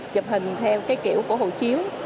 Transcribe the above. chụp hình theo cái kiểu của hồ chiếu